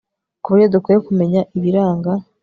ku buryo dukwiye kumenya ibiranga